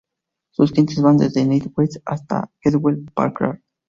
Sus clientes van desde Nine West hasta Hewlett-Packard.